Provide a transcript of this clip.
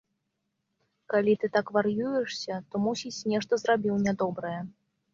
Калі ты так вар'юешся, то, мусіць, нешта зрабіў нядобрае.